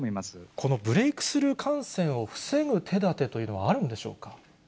このブレークスルー感染を防ぐ手立てというのはあるんでしょうか。